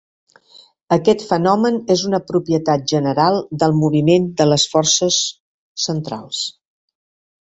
Aquest fenomen és una propietat general del moviment de les forces centrals.